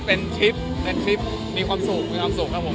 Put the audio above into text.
ไม่ครับก็เป็นทริปมีความสุขครับผม